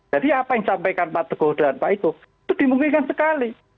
jadi apa yang sampaikan pak teguh dan pak ito itu dimungkinkan sekali